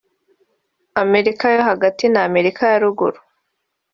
Amerika yo Hagati n’Amarika ya Ruguru